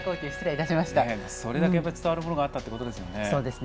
それだけ伝わるものがあったということですね。